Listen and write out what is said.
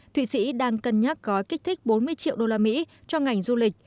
thụy sĩ đang cân nhắc gói kích thích bốn mươi triệu đô la mỹ cho ngành du lịch